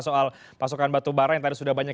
soal pasokan batubara yang tadi sudah banyak